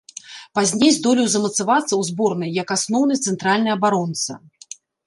Пазней здолеў замацавацца ў зборнай як асноўны цэнтральны абаронца.